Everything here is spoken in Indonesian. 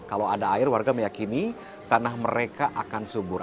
kalau ada air warga meyakini tanah mereka akan subur